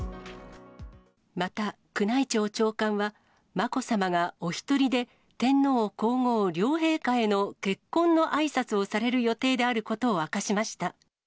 また、宮内庁長官は、まこさまがお一人で天皇皇后両陛下への結婚のあいさつをされる予定であることを明かしました。